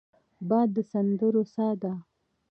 باد د سندرو سا دی